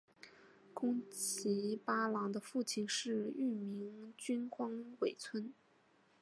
宫崎八郎的父亲是玉名郡荒尾村。